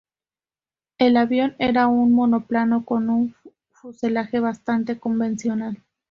El avión era un monoplano con un fuselaje bastante convencional.